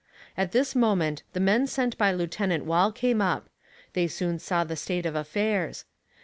At this moment the men sent by Lieutenant Wall came up; they soon saw the state of affairs.